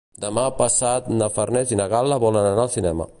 Demà passat na Farners i na Gal·la volen anar al cinema.